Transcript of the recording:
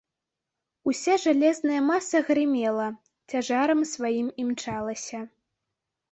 Уся жалезная маса грымела, цяжарам сваім імчалася.